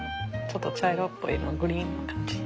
ちょっと茶色っぽい色グリーンな感じ。